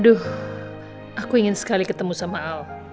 aduh aku ingin sekali ketemu sama al